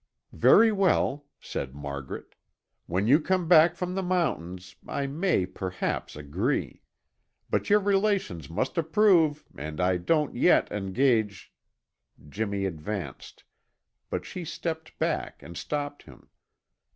"Very well," said Margaret. "When you come back from the mountains, I may perhaps agree. But your relations must approve and I don't yet engage " Jimmy advanced, but she stepped back and stopped him.